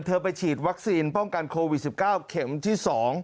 ไปฉีดวัคซีนป้องกันโควิด๑๙เข็มที่๒